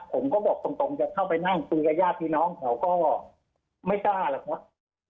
ผมก็บอกตรงจะเข้าไปนั่งฟื้นกับย่าพี่น้องเขาก็ไม่ทราบละครับ